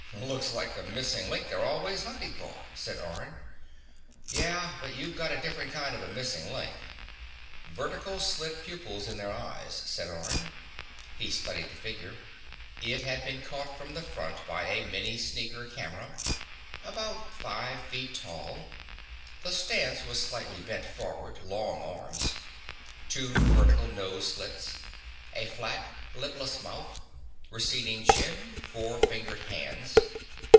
"Looks like the missing link they're always hunting for," said Orne. "Yeah, but you've got a different kind of a missing link." "Vertical slit pupils in their eyes," said Orne. He studied the figure. It had been caught from the front by a mini sneaker camera. About five feet tall. The stance was slightly bent forward, long arms. Two vertical nose slits. A flat, lipless mouth. Receding chin. Four fingered hands.